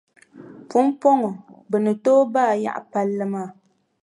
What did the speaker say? Pumpɔŋɔ bɛ ni tooi baai yaɣi palli maa.